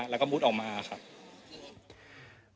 แล้วก็มุดออกมาครับ